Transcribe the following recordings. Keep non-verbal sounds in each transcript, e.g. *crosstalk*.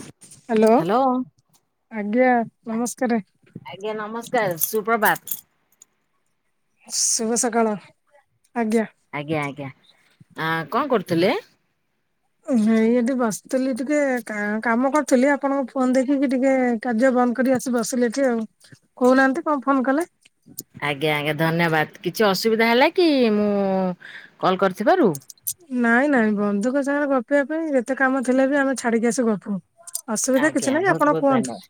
Hello hello ଆଜ୍ଞା ନମସ୍କାରେ। ଆଜ୍ଞା ନମସ୍କାର ସୁପ୍ରଭାତ। ଶୁଭ ସକାଳ ଆଜ୍ଞା। ଆଜ୍ଞା ଆଜ୍ଞା। ଆ କଣ କରୁଥିଲେ? ହ ହେଇ ଏଠି ବସିଥିଲି ଟିକେ କା କାମ କରଥିଲି। ଆପଣଙ୍କ ଫୋନ ଦେଖିକି ଟିକେ କାର୍ଯ୍ୟ ବନ୍ଦ କରି ଆସି ବସିଲେ ଏଠି ଆଉ। କହୁନାହାନ୍ତି କଣ ଫୋନ କଲେ? ଆଜ୍ଞା ଆଜ୍ଞା ଧନ୍ୟବାଦ। କିଛି ଅସୁବିଧା ହେଲା କି ମୁଁ କଲ୍ କରିଥିବାରୁ? ନାଇଁ ନାଇଁ ବନ୍ଧୁଙ୍କ ସାଙ୍ଗରେ ଗପିବା ପାଇଁ ଯେତେ କାମ ଥିଲେ ବି ଆମେ ଛାଡିକି ଆସି ଗପୁ। ଅସୁବିଧା ଆଜ୍ଞା କିଛି ନାହିଁ। ବହୁତ ଆପଣ ବହୁତ କୁହନ୍ତୁ। ଧନ୍ୟବାଦ।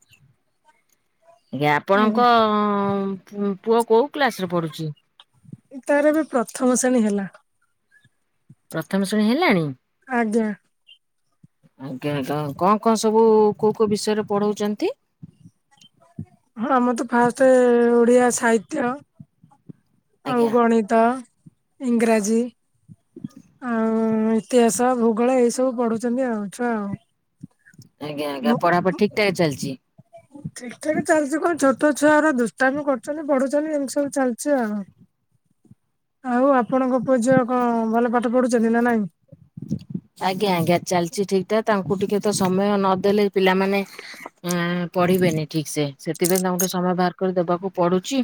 ଆଜ୍ଞା ଆପଣଙ୍କ ପୁ ପୁଅ କୋଉ କ୍ଳାସ ରେ ପଢୁଛି? ତାର ବି ପ୍ରଥମ ଶ୍ରେଣୀ ହେଲା। ପ୍ରଥମ ଶ୍ରେଣୀ ହେଲାଣି। ଆଜ୍ଞା ଆଜ୍ଞା କଣ କଣ ସବୁ କୋଉ କୋଉ ବିଷୟରେ ପଢଉଛନ୍ତି? *inaudible* ହଁ ଆମର ତ ଫାଷ୍ଟେ ଓଡିଆ ସାହିତ୍ୟ। ଆଉ ଆଜ୍ଞା ଗଣିତ ଇଂରାଜୀ ଆଉ ହଁ ଇତିହାସ ଭୂଗୋଳ ଏଇ ସବୁ ପଢୁଛନ୍ତି ଆଉ ଛୁଆ ଆଉ। ଆଜ୍ଞା ଆଜ୍ଞା ମୁଁ ପଢାପଢା ଠିକ ଠାକ ଚାଲିଛି? ଠିକ ଠାକ ଚାଲିଛି କଣ? ଛୋଟ ଛୁଆରା ଦୁଷ୍ଟାମି କରୁଛନ୍ତି। ପଢୁଛନ୍ତି ଏମିତି ସବୁ ଚାଲିଛି ଆଉ। ଆଉ ଆପଣଙ୍କ ପୁଅ ଝିଅ କଣ ଭଲ ପାଠ ପଢୁଛନ୍ତି ନା ନାଇଁ? ଆଜ୍ଞା ଆଜ୍ଞା ଚାଲିଛି ଠିକ ଠାକ। ତାଙ୍କୁ ଟିକେ ତ ସମୟ ନଦେଲେ ପିଲାମାନେ ଆ ପଢିବେନି ଠିକ ସେ। ସେଥିପାଇଁ ତାଙ୍କୁଠେ ସମୟ ବାହାର କରି ଦେବାକୁ ପଢୁଛି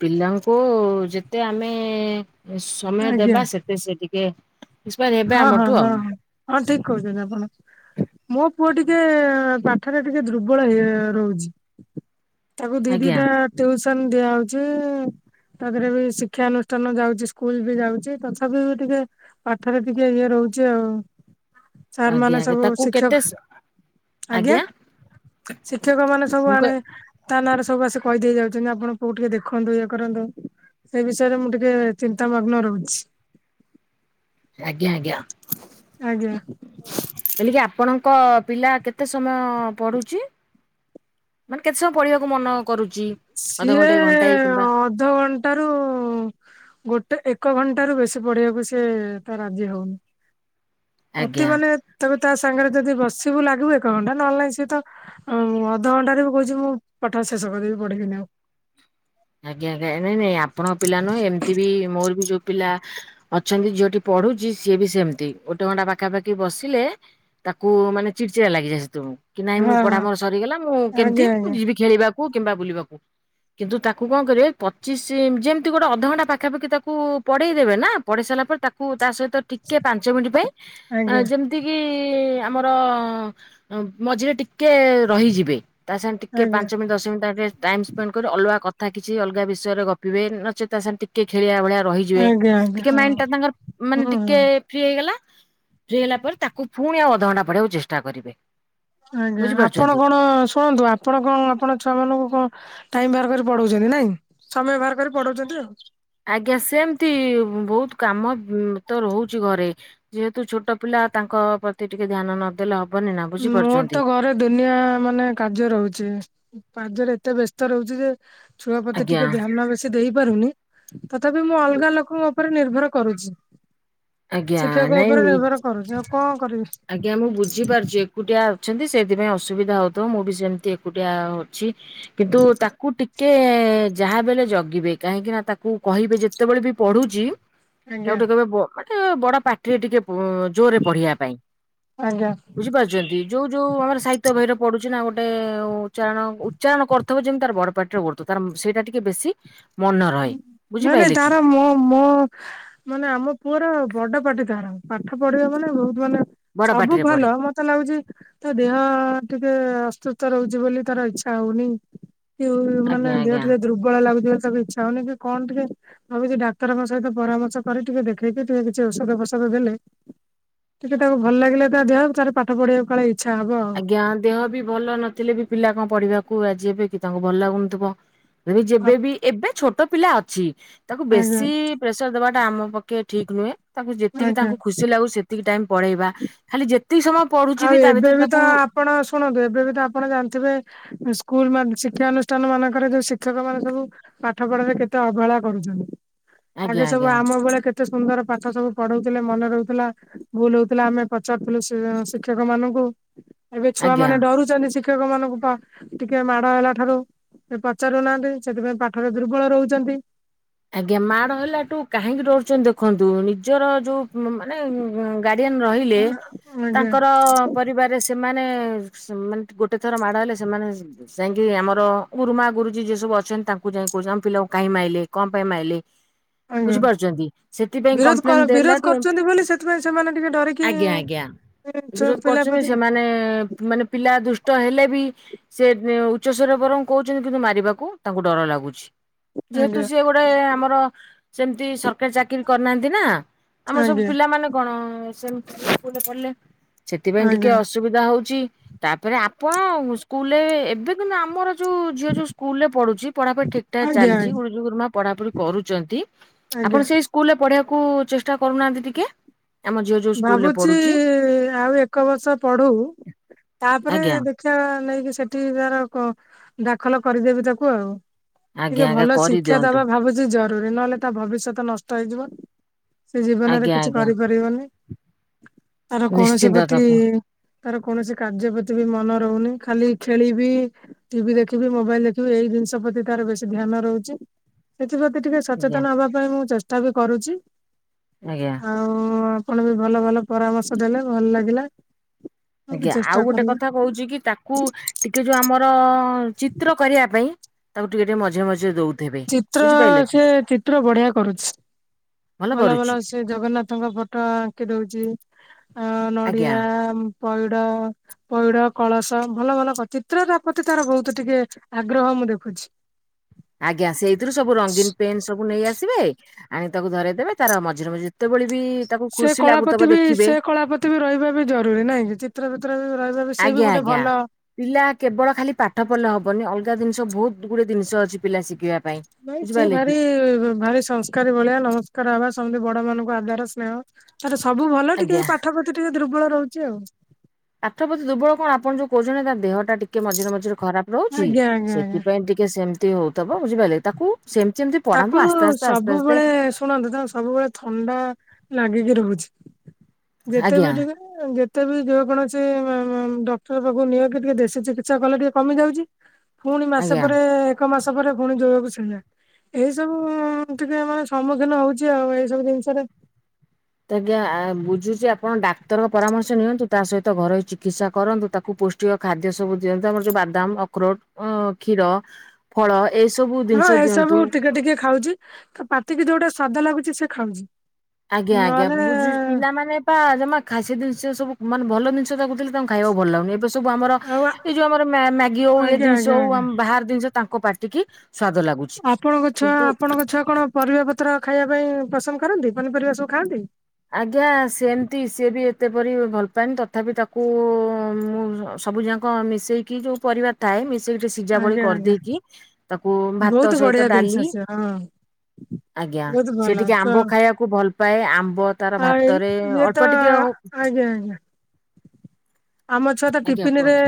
ପିଲାଙ୍କୁ ଯେତେ ଆମେ ସମୟ ଆଜ୍ଞା ଦେବା ସେତେ ସେ ଟିକେ ନିପ ହେବେ ହଁ ହଁ ଆମଠୁ ହଁ ଆଉ। ହଁ ହଁ ଠିକ କରୁଛନ୍ତି ଆପଣ। ମୋ ପୁଅ ଟିକେ ପାଠରେ ଟିକେ ଦୁର୍ବଳ ହେଇ ରହୁଛି। ତାକୁ ଦିଦି ଆଜ୍ଞା ଟା ଟିଉସନ ଦିଆ ହଉଛି। ତାପରେ ବି ଶିକ୍ଷା ଅନୁଷ୍ଠାନ ଯାଉଛି। ସ୍କୁଲ ବି ଯାଉଛି। ତଥାପି ବି ଟିକେ ଏଥରେ ଟିକେ ଇଏ ରହୁଛି ଆଉ। ସାର୍ ଆଜ୍ଞା ମାନେ ଆଜ୍ଞା ସବୁ ତାକୁ କେତେ ଶିକ୍ଷକ ଆଜ୍ଞା ଶିକ୍ଷକ ମାନେ ସବୁ ମୁଁ ଆଣେ କହି ତା ନାଁରେ ସବୁ ଆସି କହିଦେଇ ଯାଉଛନ୍ତି। ଆପଣ ପୁଅକୁ ଟିକେ ଦେଖନ୍ତୁ ଇଏ କରନ୍ତୁ। ସେଇ ବିଷୟରେ ମୁଁ ଟିକେ ଚିନ୍ତା ମଗ୍ନ ରହୁଛି। ଆଜ୍ଞା ଆଜ୍ଞା। ଆଜ୍ଞା। ହେଲେ କି ଆପଣଙ୍କ ପିଲା କେତେ ସମୟ ପଢୁଛି? ମାନେ କେତ ସମୟ ପଢିବାକୁ ମନ କରୁଛି ସିଏ ଅଧଘଣ୍ଟାଏ ଘଣ୍ଟାଏ କିମ୍ବା ଅଧ ଘଣ୍ଟାରୁ ଗୋଟେ ଏକ ଘଣ୍ଟା ରୁ ବେଶୀ ପଢିବାକୁ ସିଏ ତ ରାଜି ହଉନି। ଅତି ଆଜ୍ଞା। ମାନେ ତକୁ ତା ସାଙ୍ଗରେ ଯଦି ବସିବୁ ଲାଗିବୁ ଏକ ଘଣ୍ଟା ନହେଲେ ନାହିଁ ସିଏ ତ ହ ମୁଁ ଅଧଘଣ୍ଟାରେ ବି କହୁଛି ମୁଁ ପାଠ ଶେଷ କରିବି। ପଢିବିନି ଆଉ। ଆଜ୍ଞା ଆଜ୍ଞା। ନାଇଁ ନାଇଁ ଆପଣଙ୍କ ପିଲା ନୁହେଁ ଏମିତି ବି ମୋର ବି ଯୋଉ ପିଲା ଅଛନ୍ତି ଝିଅଠି ପଢୁଛି ସିଏ ବି ସେମିତି। ଗୋଟେ ଘଣ୍ଟା ପାଖାପାଖି ବସିଲେ ତାକୁ ମାନେ ଚିଡ ଚିଡା ଲାଗିଯାଏ ସେତେ ବେଳକୁ। କି ନାଇଁ ମୁଁ ପଢା ହଁ ମର ସରିଗଲା। ମୁଁ କେମିତି ଆଜ୍ଞା ମୁଁ ଆଜ୍ଞା ଯିବି ଖେଳିବାକୁ କିମ୍ବା ବୁଲିବାକୁ। କିନ୍ତୁ ତାକୁ ତାକୁ କଣ କରିବେ ପଚିଶ ଯେମିତି ଗୋଟେ ଅଧଘଣ୍ଟା ପାଖାପାଖି ତାକୁ ପଢେଇ ଦେବେ ନା ପଢେଇ ସାରିଲା ପରେ ତାକୁ ତା ସହିତ ତ ଟିକେ ପାଞ୍ଚ ମିନିଟ୍ ପାଇଁ ଆଜ୍ଞା ଯେମ୍ ଯେମିତିକି ଆମର ମଝିରେ ଟିକେ ରହିଯିବେ। ତା ସାଙ୍ଗ ଟିକେ ଆଜ୍ଞା ପାଞ୍ଚ ମିନଟ ଦଶ ମିନିଟ୍ ତା ଟିକେ ଟାଇମ୍ ସ୍ପେଣ୍ଡ କରି ଅଲଗା କ ଥା କିଛି ଅଲଗା ବିଷୟରେ ଗପିବେ ନଚେତ୍ ତା ସାଙ୍ଗ ରେ ଟିକ କେ ଖେଳିଆ ଭଳିଆ ରହିଯିବେ। ଆଜ୍ଞା ଆଜ୍ଞା ଟିକେ ହଁ ମାଇଣ୍ଡ ଟା ତାଙ୍କର ମାନେ ହୁଁ ହୁଁ। ଟିକେ ଫ୍ରି ହେଇଗଲା ଫ୍ରି ହେଲା ପରେ ତାକୁ ପୁଣି ଆଉ ଅଧଘଣ୍ଟା ପଢେଇଆକୁ ଚେଷ୍ଟା କରିବେ। ଆଜ୍ଞା ଆପଣ ବୁଝିପାରୁଛନ୍ତି। କଣ ଶୁଣନ୍ତୁ ଆପ୍ ଆପଣ କଣ ଆପଣ ଛୁଆ ମାନଙ୍କୁ କଣ ଟାଇମ ବାହାର କରି ପଢଉଛନ୍ତି ନାଇଁ। ସମୟ ବାହାର କରି ପଢାଉଚନ୍ତି ଆଉ। ଆଜ୍ଞା ସେମତି ବହୁତ କାମ ଉଁ ତ ରହୁଚି ଘରେ। ଯେହେତୁ ଛୋଟ ପିଲା ତାଙ୍କ ପ୍ରତି ଟିକେ ଧ୍ୟାନ ନଦେଲେ ହବନି ନା ମୋର ତ ବୁଝିପାରୁଚନ୍ତି? ଘରେ ଦୁନିଆ ମାନେ କାର୍ଯ୍ୟ ରହୁଚି। କାର୍ଯ୍ୟରେ ଏତେ ବ୍ୟସ୍ ତ ରହୁଚି ଯେ ଛୁଆ ପ୍ରତି ଆଜ୍ଞା ଟିକେ ଧ୍ୟାନ ବେଶି ଦେଇ ପାରୁନି। ତଥାପି ମୁଁ ଅଲଗା ଲୋକଙ୍କ ଉପରେ ନିର୍ଭର କରୁଛି। ଆଜ୍ଞା ଶିକ୍ଷକ ନାଇଁ ଉପରେ ନି ନିର୍ଭର କରୁଛି। ଆଉ କଣ କରିବି? ଆଜ୍ଞା ମୁଁ ବୁଝିପାରୁଚି ଏକୁଟିଆ ଅଛନ୍ତି ସେଥିପାଇଁ ଅସୁବିଧା ହଉଥିବ ମୁଁ ବି ସେମିତି ଏକୁଟିଆ ଅ ଛି କିନ୍ତୁ ତାକୁ ଟିକେ ଯାହା ବି ହେଲେ ଜଗିବେ କାହିଁକି ନା ତାକୁ କହିବେ ଯେତେବେଳେ ବି ପଢୁଚି ତାକୁ ଆଜ୍ଞା ଟିକେ କହିବେ ବ ଗୋଟେ ବଡ ପାଟିରେ ଟିକେ ପ୍ ଜୋରରେ ପଢିବା ପାଇଁ। ଆଜ୍ଞା। ବୁଝ୍ ଝି ପାରୁଚନ୍ତି। ଯୋଉ ଯୋଉ ଆମର ସାହିତ୍ୟ ବହିରେ ପଢୁଚି ନା ଗୋଟେ ଉଚ୍ଚାରଣ ଉଚ୍ଚାରଣ କରୁଥିବ ଯେମିତି ତାର ବଡ ପାଟିରେ କରୁଥିବ। ତାର ସେଇଟା ଟିକେ ବେଶୀ ମନ ରହେ ନାଇଁ ନାଇଁ ବୁଝିପାରିଲେ କି ତାର ମୋ ମୋ ମାନେ ଆମ ପୁଅର ବଡ ପାଟି ତାର ପାଠ ପଢିବ ମାନେ ବହୁତ ମାନେ ବଡ ସବୁ ପାଟିରେ ପଢେ। ଭଲ ମତ୍ ତେ ଲାଗୁଚି ତା ଦେହ ଟିକେ ଅସୁସ୍ଥ ରହୁଚି ବୋଲି ତାର ଇଚ୍ଛା ହଉନି। କି ଆଜ୍ଞା ମାନେ ଦେହ ଆଜ୍ଞା ଟିକେ ଦୁର୍ବଳ ଲାଗୁଚି ବୋଲି ତାକୁ ଇଚ୍ଛା ହଉନି କି କଣ ଟିକେ ଭାବିଚି ଡାକ୍ତରଙ୍କ ସହିତ ପରାମର୍ଶ କରି ଟିକେ ଦେଖେଇକି ଟିକେ କିଛି ଔଷଧ ଫୌଷଧ ଦେଲେ ଟିକେ ତାକୁ ଭଲ ଲାଗିଲା ତା ଦେହ ତାର ପାଠ ପଢିବାକୁ କାଳେ ଇଚ୍ଛା ହବ। ଆଉ। ଆଜ୍ଞା ଦେହ ବି ଭଲ ନଥିଲେ ବି ପିଲା କଣ ପଢିବାକୁ ରାଜି ହେବେ କି ତାଙ୍କୁ ଭଲ ଲାଗୁନଥିବ। ଭାରି ଯେବେବି ଏବେ ଛୋଟ ପିଲା ଅଛି ତାକୁ ଆଜ୍ଞା ବେଶି ପ୍ରେସର ଦବାଟା ଆମ ପକ୍ଷେ ଠିକ୍ ନୁହେଁ। ତାଙ୍କୁ ଯେତିକି ଆଜ୍ଞା। ତାଙ୍କୁ ଖୁସି ଲାଗୁଚି ସେ ତିକି ଟାଇମ ପଢେଇବା ଖାଲି ଯେତିକି ସମୟ ଆଉ ପଢୁଚିବି ତା ଏବେ ଭିତରେ ବି ତାକ ତ ଆପଣ ଶୁଣନ୍ତୁ ଏବେ ବି ତ ଆପଣ ଜାଣିଥିବେ ସ୍କୁଲ ମାନ ଶିକ୍ଷାନୁଷ୍ଠାନ ମାନଙ୍କରେ ଯୋଉ ଶିକ୍ଷକ ମାନେ ସବୁ ପାଠ ପଢାରେ କେତେ ଅବହେଳା କରୁଚନ୍ତି? ଆଜ୍ଞା ଆଗେ ସବୁ ଆଜ୍ଞା ଆମ ବେଳେ କେତ ଏତେ ସୁନ୍ଦର ପାଠ ସବୁ ପଢଉଥିଲେ ମନେ ରହୁଥିଲା। ଭୁଲ ହଉଥିଲା ଆମେ ପଚାରୁଥିଲୁ ସି ଇ ଶି କ୍ଷକ ମାନଙ୍କୁ ଏବେ ଛୁଆ ଆଜ୍ଞା ମାନେ ଡରୁଚନ୍ତି ଶିକ୍ଷ କ୍ଷକ ମାନଙ୍କୁ ପା ଟିକେ ମାଡ ହେଲା ଠାରୁ। ସେ ପଚାରୁନାହାଁନ୍ତି ସେଥିପାଇଁ ପାଠରେ ଦୁର୍ବଳ ରହୁଚନ୍ତି। ଆଜ୍ଞା ମାଡ ହେଲାଠୁ କାହିଁକି ଡରୁଚନ୍ତି ଦେଖନ୍ତୁ ନିଜର ଯୋଉ ମୁ ମାନେ ଗାର୍ଡିଆନ ରହିଲେ ଆଜ୍ଞା ତାଙ୍କର ପରିବାରରେ ସେମାନେ ଶ୍ ମାନେ ଗୋଟେ ଥର ମାଡ଼ ହେଲେ ସେମାନେ ସ ଯାଇଁକି ଆମର ଗୁରୁମା ଗୁରୁଜୀ ଯିଏ ସବୁ ଅଛନ୍ତି ତାଙ୍କୁ ଯାଇଁ କହୁଚନ୍ତି ଆମ ପିଲାକୁ କାହିଁକି ମାଇଲେ। କଣ ପାଇଁ ମାଇଲେ? ଆଜ୍ଞା ବୁଝିପାରୁଚନ୍ତି ସେଥିପାଇଁ ବିରୋଧ କମ୍ପ୍ଲେନ ବିରୋଧ ଦେଲାଠୁ ଏମିତି। କରୁଛନ୍ତି ବୋଲି ସେଥିପାଇଁ ସେମାନେ ଟିକେ ଡରିକି ବିରୋଧ ପିଲା କରୁଚନ୍ତି ପ୍ରତି ସେମାନେ ମାନେ ପିଲା ଦୁଷ୍ଟ ହେଲେ ବି ସେ ଏ ଉଚ୍ଚ ସ୍ୱର ରେ ବରଂ କହୁଛନ୍ତି କିନ୍ତୁ ମାରିବାକୁ ତାଙ୍କୁ ଡର ଲାଗୁଛି। ତୁ ଆଜ୍ଞା ସେଇ ଗୋଡ଼ାଏ ଆମର ସେମିତି ସରକାରୀ ଚାକିରି କରିନାହାଁନ୍ତି ନା? ଆମର ସବୁ ଆଜ୍ଞା। ପିଲାମାନୋନ କଣ ସେମିତି ସେ ସ୍କୁଲ ରେ ପଢିଲେ। ସେଥିପାଇଁ ଟିକେ ଆଜ୍ଞା ଅସ୍ ସୁବିଧା ହଉଚି। ତାପରେ ଆପଣ ସ୍କୁଲ ରେ ଏବେ କିନ୍ତୁ ଆମର ଯୋଉ ଝିଅ ଯୋଉ ସ୍କୁଲ ପଢୁଚି ପଢ଼ାପଢି ଠିକ୍ ଆଜ୍ଞା ଚାଲିଚି ଆଜ୍ଞା ଗୁରୁଜୀ ଗୁରୁମା ପଢାପଢି କରୁଚନ୍ତି ଆଜ୍ଞା ଆପଣ ସେଇ ସ୍କୁଲ ରେ ପଢିବାକୁ ଚେଷ୍ଟା କରୁନାହାଁନ୍ତି ଟିକେ? ଆମ ଝିଅ ଯୋଉ ସ୍କୁଲରେ ଭାବୁଚି ପଢୁଛି ଆଉ ଏକ ବର୍ଷ ପଢୁ ତା ପରେ ଆଜ୍ଞା। ଦେଖ୍ ଶିକ୍ଷା ନେଇକି ସେଠି ତାର କ ଦାଖଲ କରିଦେବି ତାକୁ ଆଉ। ଟିକେ ଆଜ୍ଞା ଆଜ୍ଞା ଭଲ ଶିକ୍ଷା କରିଦିଅନ୍ତୁ ଦବା ଭାବୁଛି ଜ *unintelligible* ନହେଲେ ତା ଭବିଷ୍ୟତ ନଷ୍ଟ ହେଇଯିବ ସେ ଜୀବନରେ ଆଜ୍ଞା କିଛି ଆଜ୍ଞା କରିପାରିବନି। ତାର କୌଣସି ନିଶ୍ଚିନ୍ତ ପ୍ରତି ତାକୁ ତାର କୌଣସି କାର୍ଯ୍ୟ ପ୍ରତି ବି ମନ ରହୁନି ଖାଲି ଖେଳିବି ଟିଭି ଦେଖିବି ମୋବାଇଲ ଦେଖିବି ଏଇ ଜିନିଷ ପ୍ରତି ତାର ବେଶୀ ଧ୍ୟାନ ରହୁଚି। ସେଥିପ୍ରତି ଟିକେ ଆଜ୍ଞା ସଚେତନ ହବା ପାଇଁ ମୁଁ ଚେଷ୍ଟା ବି କରୁଚି। ଆଜ୍ଞା। ଆଉ ଆପଣ ବି ଭଲ ଭଲ ପରାମର୍ଶ ଦେଲେ ଭଲ ଲାଗିଲା। ସବୁ ଆଜ୍ଞା ଚେଷ୍ଟା ଆଉ ଗୋଟେ କରିବେ କଥା କହୁଛି କି ତା କୁ ଟିକେ ଯୋଉ ଆମର ଚିତ୍ର କରିବା ପାଇଁ ତାକୁ ଟିକେ ଟିକେ ମଝିରେ ମଝିରେ ଦଉ ଚିତ୍ର ସେ ଚିତ୍ର ବଢିଆ କରୁଛି। ଭଲ ଭଲ ସେ ଜଗନ୍ନାଥଙ୍କ ଫଟ ଆଙ୍କି ଦଉଛି। ଅ ଆଜ୍ଞା ନଡିଆ ପଇଡ ପଇଡ କଳସ ଭଲ ଭଲ କ ଚିତ୍ର ତା ପ୍ରତି ତାର ବହୁତ ଟିକେ ଆଗ୍ରହ ମୁଁ ଦେଖୁଛି। ଆଜ୍ଞା ସେଇଥିରୁ ସବୁ ରଙ୍ଗୀନ ପେନ୍ ସବୁ ନେଇ ଆସିବେ। ଆଣିକ ତାକୁ ଧରଇଦେବେ ତାର ମଝିରେ ମଝିରେ ଯେତେବେଳେ ବି ତାକୁ ସେ ଖୁସି ଲାଗୁଥିବ କଳାପତି ବି ଦେଖିବେ ସେ କଳାପ ହେଟି ବି ରହିବା ବି ଜରୁରୀ ନାଇଁ କି ଚିତ୍ର ଫିତ୍ର ବି ରହିବା ବି ସେ ବି ଆଜ୍ଞା ଗୋଟେ ଆଜ୍ଞା ଭଲ। ପିଲା କେବଳ ଖାଲି ପାଠ ପଢିଲେ ହବନି ଅଲଗା ଜିନିଷ ବହୁତ ଗୁଡଏ ଜିନିଷ ଅଛି ପିଲା ଶିଖିବା ପାଇଁ ଭାଇ ଚି ବୁଝିପାରିଲେ କି ଭାରି ଭାରି ସଂସ୍କାରୀ ଭଳିଆ ନମସ୍କାର ହବା ସେମିତି ବଡ ମାନଙ୍କୁ ଆଦାର ସ୍ନେହ ତାର ସବୁ ଭଲ ଟିକେ ଆଜ୍ଞା ଏଇ ପାଠ ପ୍ରତି ଟିକେ ଦୁର୍ବଳ ରହୁଛି ଆଉ। ପାଠ ପତି ଦୁରବଳ କଣ ଆପଣ ଯଉ କଛନ୍ତି ତା ଦେହ ଟିକେ ମଝିରେଝିରେ ଖରା ରହୁଛି ଆଜ୍ଞା ଆଜ୍ଞା ଆଜ୍ଞା। ସେଥିପାଇଁ ଟିକେ ସେମିତି ହଉଥିବ ବୁଝିପାଇଲେ ତାକୁ ସେମଚି ଏମତି ତାକୁ ସବୁବେଳେ ଶୁଣନ୍ତୁ ତାକୁ ସବୁବେଳେ ଥଣ୍ଡା ନାଗିକି ରହୁଛି ଆଜ୍ଞା ଯେତେବେଳେ ଯିବେ ଉଁ ଯେତେବେଳେ ଯେ କୌଣସି ମ ମ ଡକ୍ଟର ପାଖକୁ ନିଅ କି ଟିକେ ଦେଶୀ ଚିକିତ୍ସା କଲେ ଟିକେ କମି ଯାଉଛି। ହଁଁ *inaudible* ଫୁଣି ମାସେ ପରେ ଏକ ମାସ ପରେ ଫୁଣି ଯୋଉଆକୁ ସେଇଆ। ଏଇ ସବୁ ଟିକେ ସମ୍ମୁଖୀନ ହଉଛି ଆଉ ଏଇ ସବୁ ଜିନିଷରେ। ତ ଆଜ୍ଞା ବୁଝୁଚି ଆପଣ ଡାକ୍ତର ପରାମର୍ଶ ନିଅନ୍ତୁ ତା ସହିତ ଘରୋଇ ଚିକିତ୍ସା କରନ୍ତୁ ତାକୁ ପୋଷ ପିରିଅ ଖାଦ୍ୟ ସବୁ ଦିଅନ୍ତି ଆମର ଯୋଉ ବାଦାମ ଅକରୋଟ କ୍ଷୀର ଫଳ ଏଇ ସବୁ ଜିନିଷ ଦିଅନ୍ତୁ। ଖାଉଚି ପାତିକି ଯୋଉଟା ସ୍ଵାଦ ଲାଗୁଛି ସେ ଖାଉଚି। ଆଜ୍ଞା ଆଜ୍ଞା ବୁଝୁଚି ପିଲାମାନେ ପା ଜମା ଖାସି ଜିନିଷ ସବୁ ମାନେ ଭଲ ଜିନିଷ ତାଙ୍କୁ ଦେଲେ ତାଙ୍କୁ ଖାଇକୁ ଭଲ ଲାଗୁନି ଏବେ ସବୁ ଆମର ଆଉ ଏଇ ଯୋଉ ଆମର ମ୍ୟାଗି ହଉ ଇଏ ଆଜ୍ଞା ଦିନିଷ ଆଜ୍ଞା ଆଜ୍ଞା ହଉ ବାହାର ଜିନିଷ ତାଙ୍କ ପାଟିକି ସ୍ୱାଦ ଲାଗୁ ଆପଣଙ୍କ ଛୁଆ ଆପଣଙ୍କ ଛୁଆ କଣ ପରିବା ପତ୍ର ଖାଇବା ପାଇଁ ପସନ୍ଦ କରନ୍ତି ପନିପରିବା ସବୁ ଖାଆନ୍ତି। ଆଜ୍ଞା ସେମିତି ସିଏ ବି ଏତେ ପରି ଭଲ ପାଏନି ତଥାପି ତାକୁ ମୁଁ ସବୁ ଯା କଁ ମିଶେଇକି ଯୋଉ ପରିବା ଥାଏ ମିଶେଇକି ଟିକେ ସିଝାବଳି ଆଜ୍ଞା ଆଜ୍ଞା। କରିଦେଇକି ତାକୁ ଭାତ ବହୁତ ବଢିଆ ସହିତ ଜିନିଷ ଡାଲି ସେ ହଁ ଆଜ୍ଞା ବହୁତ ସେ ଭଲ ଟିକେ ଛୁଆ ଆମ୍ବ ଖାଇବାକୁ ଭଲ ପାଏ ଆମ୍ବ ତାର ଆଉ ଏଇ ଭାତରେ ଇଏ ତ ଅଳ୍ପ ଟିକେ ହଉ ଆଜ୍ଞା ଆଜ୍ଞା ଆମ ଛୁଆ ତ ଆଜ୍ଞା ଟିପିନ୍ ରେ କୁହନ୍ତୁ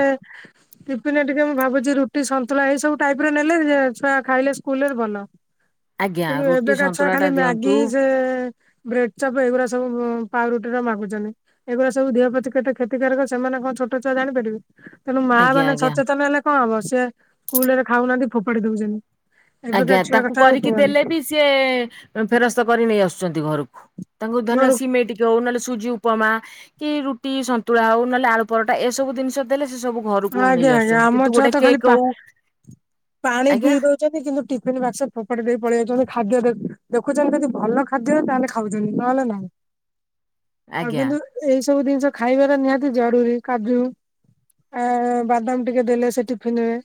ଟିଫିନ୍ ରେ ଟିକେ ମୁଁ ଭାବୁଛି ରୁଟି ସନ୍ତୁଳା ଏଇ ସବୁ ଟାଇପରେ ନେଲେ ଏ ଛୁଆ ଖାଇଲେ ସ୍କୁଲରେ ଭଲ ଆଜ୍ଞା କିନ୍ତୁ ରୁଟି ଏବେକା ଛୁଆ ସନ୍ତୁଳା ଖାଲି ଟା ମ୍ୟାଗି ଦିଅନ୍ତୁ ସେ ବ୍ରେଡ ଚପ ଏଉରା ସବୁ ପାଉ ରୁଟିରା ମାଗୁଚନ୍ତି। ଏଗୁରା ସବୁ ଦେହ ପତି କେତେ କ୍ଷତିକାରକ ସେମାନେ କଣ ଛୋଟ ଛୁଆ ଜାଣିପାରିବେ। ତେଣୁ ମା ଆଜ୍ଞା ମାନେ ଆଜ୍ଞା ସଚେତନ ହେଲେ କଣ ହବ ସିଏ ସ୍କୁଲ ରେ ଖାଉନାହାନ୍ତି ଫୋପାଡି ଦଉଛନ୍ତି। ଏବେକା ଆଜ୍ଞା ଛୁଆ ତାଙ୍କୁ କଥା ଆଉ କରିକି କୁହନି ଦେଲେ ବି ସି ସିଏ ଅଁ, ଫେରସ୍ତ କରି ନେଇ ଆସୁଛନ୍ତି ଘରକୁ। ତାଙ୍କୁ ଧରିନିଅ ମୋର ସିମେଇ ଟିକ ଯୋଉ ନହେଲେ ସୁଜି ଉପମା। କି ରୁଟି ସନ୍ତୁଳା ହଉ। ନହେଲେ ଆଳୁ ପରଟା, ଏସବୁ ଦିନିଷ ଦେଲେ ସେ ସବୁ ଘରକୁ ନେଇ ଆଜ୍ଞା ଆଜ୍ଞା ଆସୁଛନ୍ତି। ଆମ କିନ୍ତୁ ଛୁଆ ଗୋଟେ ତ ଖାଲି କେକ୍ ପା ହଉ ଆଜ୍ଞା, ଯଦି କି ମୁଁ ଟିଫନ୍ ବାକ୍ସ ଫୋପାଡ଼ି ଦେଇ ପଳେଇ ଆଉଛନ୍ତି। ଖାଦ୍ୟ ଦେଖ, ଦେଖୁଛନ୍ତି ଯଦି ଭଲ ଖାଦ୍ୟ ତାହେଲେ ଖା ଖାଉଚନ୍ତି ନହେଲେ ନାଇଁ। ଆଉ ଆଜ୍ଞା କିନ୍ତୁ ଏଇ ସବୁ ଜିନିଷ ଖାଇବାର ନିହାତି ଜରୁରୀ। କାଜୁ ଆ, ବାଦାମ ଟିକେ ଦେଲେ ସେ ଟିଫିନି ରେ।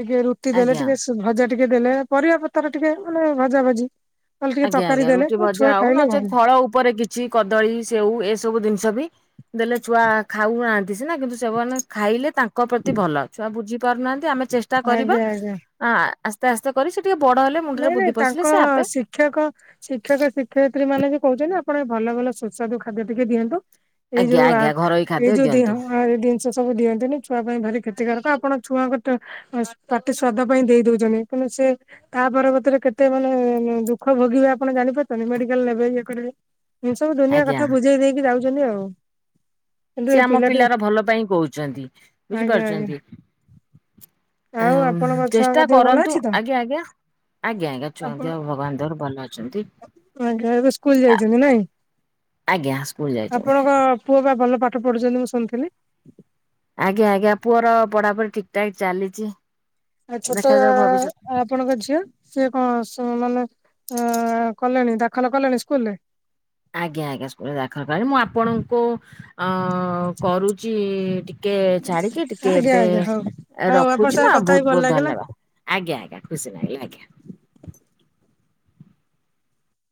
ଟିକେ ରୁଟି ଦେଲେ ଆଜ୍ଞା ଟିକେ ଭଜା ଟିକେ ଦେଲେ, ପରିବା ପତ୍ର ଟିକେ ମାନେ ଭଜା ଭାଜି। ଆଜ୍ଞା, ଆଜ୍ଞା ରୁଟି ଭଜା ଆଉ, ଭଲ ନଚେତ୍ ଫଳ ଉପରେ କିଛି କଦଳୀ, ସେଉ ଏସବୁ ଦିନିଷ ବି ଦେଲେ ଛୁଆ ଖାଉନାହାନ୍ତି ସିନା କିନ୍ତୁ ସେମାନେ ଖାଇଲେ ତାଙ୍କ ପ୍ରତି ଭଲ। ଛୁଆ ବୁଝି ପାରୁନାହାନ୍ତି, ଆମେ ଚେଷ୍ଟା କରିବା। ଆଜ୍ଞା ଆଜ୍ଞା ଆ, ଆସ ତେ ଆସ୍ତେ କରି ସେ ଟିକେ ବଡ ହେଲେ ମୁଣ୍ଡ ରେ ନାଇଁ ବୁଦ୍ଧି ନାଇଁ ତାଙ୍କ ପଶିଲେ ସେ ଆପେ ଶିକ୍ଷକ ଶିକ୍ଷକ ଶିକ୍ଷୟତ୍ରୀ ମାନେ ବି କହୁଛନ୍ତି ଆପଣ ଏ ଭଲ ଭଲ ସୁସ୍ୱାଦ ଖାଦ୍ୟ ଟିକେ ଦିଅନ୍ତୁ। ଏଇ ଆଜ୍ଞା ଯୋଉ ଆ, ଆଜ୍ଞା ଘରୋଇ ଏଇ ଖାଦ୍ୟ ଯୋଉ ଦିଅନ୍ତୁ ଦିହଁ ମାରି ଦେ ସେ ସବୁ ଦିଅନ୍ତୁନି, ଛୁଆ ପାଇଁ ଭାରି କ୍ଷତିକାରକ। ଆପଣ ଛୁଆଙ୍କୁ ତ ଅ, ପାଟି ସ୍ଵାଦ ପାଇଁ ଦେଇ ଦଉଚନ୍ତି। କିନ୍ତୁ ସେ ତା ପରବର୍ତ୍ତୀରେ କେତେ ମାନେ ଦୁଃଖ ଭୋଗିବେ ଆପଣ ଜାଣିପାରୁଛନ୍ତି। ମେଡିକାଲ୍ ନେବେ ଇଏ କରିବେ। ଏ ସବୁ ଦୁନିଆ ଆଜ୍ଞା କଥା ବୁଝେଇ ଦେଇକି ଯାଉଚନ୍ତି ଆଉ। କିନ୍ତୁ ସେ ଏ ଆମ ପିଲାଟି ପିଲାର ଭଲ ପାଇଁ କହୁଚନ୍ତି ଆଜ୍ଞା ଆଜ୍ଞା ବୁଝିପାରୁଚନ୍ତି। ଆଉ ଆଉଁ, ହାଁ ଆପଣଙ୍କ ଛୁଆଙ୍କ ଚେଷ୍ଟା ଦେହ ଭଲ କରନ୍ତୁ, ଅଛି ତ? ଆଜ୍ଞା, ଆଜ୍ଞା, ଆଜ୍ଞା, ଆଜ୍ଞା ଛୁଆଙ୍କ ଆପଣ ଦେହ ଭଗବାନ ଦୟାରୁ ଭଲ ଅଛନ୍ତି। ଆଜ୍ଞା ଏବେ ସ୍କୁଲ ଓ, ଯାଇଛନ୍ତି ନାଇଁ ଆଜ୍ଞା ସ୍କୁଲ୍ ଯାଇଛନ୍ତି। ଆପଣଙ୍କ ପୁଅ ବା ଭଲ ପାଠ ପଢୁଛନ୍ତି ମୁଁ ଶୁଣିଥିଲି? ଆଜ୍ଞା, ଆଜ୍ଞା ପୁଅର ପଢାପଢି ଠିକ୍ ଠାକ୍ ଚାଲିଚି। ଆଉ ଛୋଟ ଅ ଆପଣଙ୍କ ଝିଅ ସିଏ କଣ ସେ ମାନେ ଅ, କଲେଣି ଦାଖଲ କଲେଣି ସ୍କୁଲ୍ ରେ? ଆଜ୍ଞା, ଆଜ୍ଞା ସ୍କୁଲ୍ ରେ ଦାଖଲ କଲିଣି। ମୁଁ ଆପଣଙ୍କୁ ଅ, କରୁଚି ଟି କେ ଛାଡିକି, ଟିକେ ଆଜ୍ଞା ଏବେ ଆଜ୍ଞା ହଉ ଏ ହଉ ଆପଣଙ୍କ ରଖୁଛି। ସାଙ୍ଗେ ମା କଥା ହେଇ ବହୁତ ଭଲ ବହୁତ ଲାଗିଲା। ଧନ୍ୟବାଦ। ଆଜ୍ଞ, ଆଜ୍ଞ ଖୁସି ନାଗିଲା ଆଜ୍ଞା।